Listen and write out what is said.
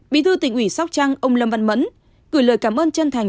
bí thư tỉnh ủy sóc trăng ông lâm văn mẫn gửi lời cảm ơn chân thành